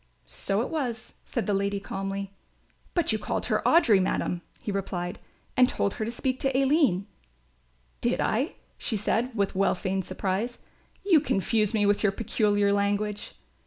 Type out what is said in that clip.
"So it was," said the lady, calmly. "But you called her Audry, madam," he replied, "and told her to speak to Aline." "Did I?" she said with well feigned surprise. "You confused me so with your peculiar language."